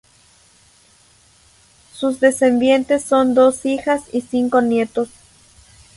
Sus descendientes son dos hijas y cinco nietos.